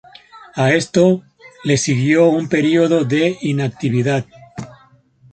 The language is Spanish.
A esto le siguió un periodo de inactividad.